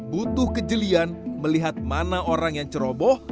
butuh kejelian melihat mana orang yang ceroboh